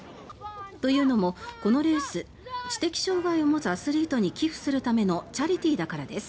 というのもこのレース知的障害を持つアスリートに寄付するためのチャリティーだからです。